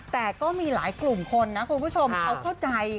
แต่ก็มีหลายกลุ่มคนนะคุณผู้ชมเขาเข้าใจ